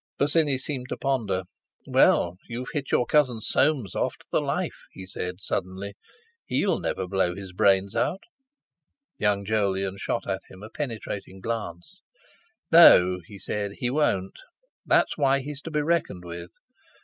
Bosinney seemed to ponder. "Well, you've hit your cousin Soames off to the life," he said suddenly. "He'll never blow his brains out." Young Jolyon shot at him a penetrating glance. "No," he said; "he won't. That's why he's to be reckoned with.